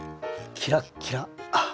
キラッキラ！